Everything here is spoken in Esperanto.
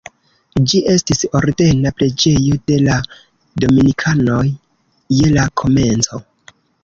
Ĝi estis ordena preĝejo de la dominikanoj je la komenco.